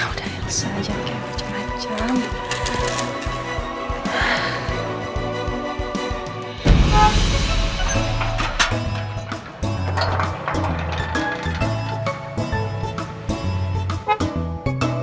udah yang saya